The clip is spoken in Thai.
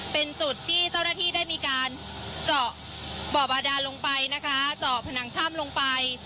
เป็นจุดที่เจ้าหน้าที่ได้มีการเจาะบ่อบาดานลงไปนะคะเจาะผนังถ้ำลงไป